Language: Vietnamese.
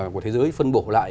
của thế giới phân bổ lại